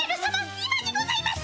今にございます！